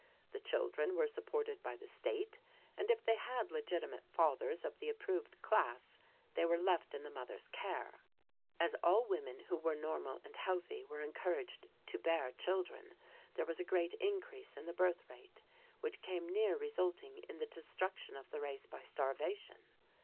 The children were supported by the state, and if they had legitimate fathers of the approved class they were left in the mothers' care. As all women who were normal and healthy were encouraged to bear children, there was a great increase in the birth rate, which came near resulting in the destruction of the race by starvation.